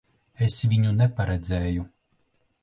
Es viņu neparedzēju.